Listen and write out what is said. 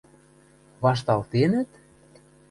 – Вашталтенӹт?